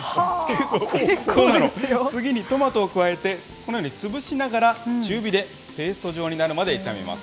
次にトマトを加えてこのように潰しながら中火でペースト状になるまで炒めます。